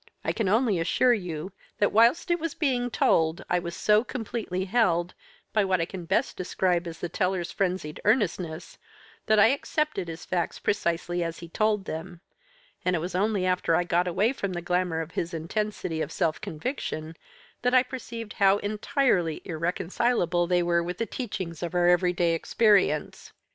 I can only assure you that whilst it was being told, I was so completely held, by what I can best describe as the teller's frenzied earnestness, that I accepted his facts precisely as he told them, and it was only after I got away from the glamour of his intensity of self conviction that I perceived how entirely irreconcilable they were with the teachings of our everyday experience.